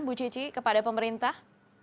bu cici kepada pemerintah